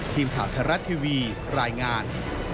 ทีมข่าวทรัลลัททีวีรายงาน